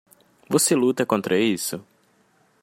Você luta contra isso.